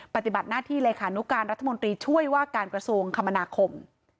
ปฏิบัติหน้าที่เลขานุการรัฐมนตรีช่วยว่าการกระทรวงคมนาคม